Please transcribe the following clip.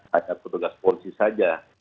hanya petugas polisi saja